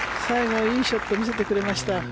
最後はいいショットを見せてくれました。